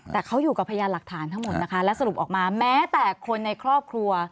แต่เขาอยู่กับพยานหลักฐานทั้งหมดนะคะและสรุปออกมาแม้แต่คนในครอบครัว